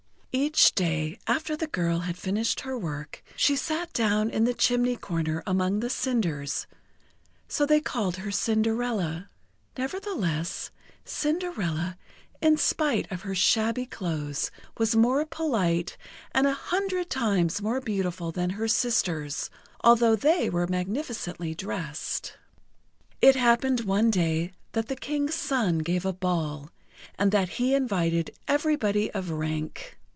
Each day, after the girl had finished her work, she sat down in the chimney corner among the cinders so they called her Cinderella. Nevertheless, Cinderella, in spite of her shabby clothes, was more polite and a hundred times more beautiful than her sisters, although they were magnificently dressed. It happened one day that the King's son gave a ball, and that he invited everybody of rank.